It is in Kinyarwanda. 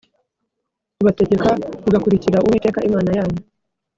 ubategeka mugakurikira Uwiteka Imana yanyu.